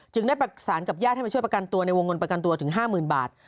ได้ประสานกับญาติให้มาช่วยประกันตัวในวงเงินประกันตัวถึง๕๐๐๐บาท